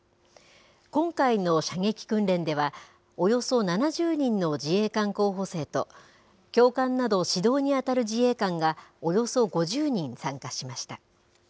今回の射撃訓練では、およそ７０人の自衛官候補生と、教官など指導に当たる自衛官がおよそ５０人参加しました。